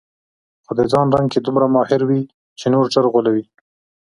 خو د ځان رنګ کې دومره ماهره وي چې نور ژر غولوي.